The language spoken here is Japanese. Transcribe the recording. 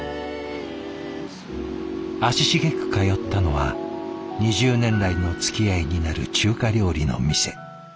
足しげく通ったのは２０年来のつきあいになる中華料理の店。